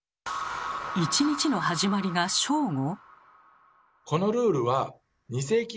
１日の始まりが正午？